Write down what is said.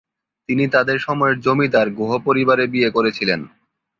তিনি তাদের সময়ের জমিদার গুহ পরিবারে বিয়ে করেছিলেন।